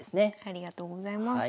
ありがとうございます。